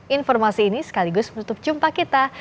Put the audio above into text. informasi ini sekaligus menutup jumpa kita